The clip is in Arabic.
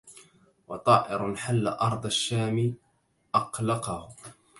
وطائر حل أرض الشام أقلقه